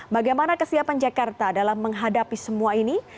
bagaimana kesiapan jakarta dalam menghadapi semua ini